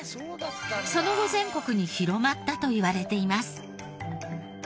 その後全国に広まったといわれています。